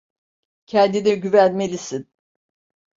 Kendine güvenmelisin.